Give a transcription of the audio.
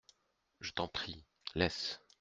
Je t'en prie, laisse.